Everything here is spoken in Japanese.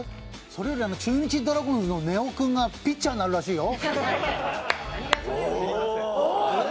それより中日ドラゴンズの根尾君がピッチャーになるらしいよ。